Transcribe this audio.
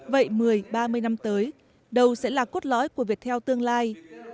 vậy một mươi ba mươi năm tới đầu sẽ là cốt lõi của việt heo tương lai